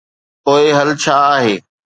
پوء حل ڇا آهي؟